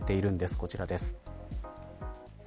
こちらです。